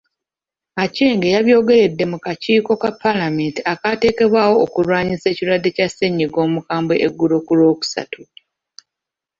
Aceng yabyogeredde mu kakiiko ka Paalamenti akaateekebwawo okulwanyisa ekirwadde kya ssenyiga omukambwe eggulo ku Lwokusatu.